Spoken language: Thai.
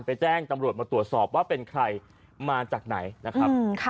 แจ้งตำรวจมาตรวจสอบว่าเป็นใครมาจากไหนนะครับ